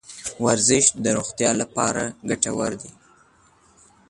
ورزش د روغتیا لپاره ګټه کوي .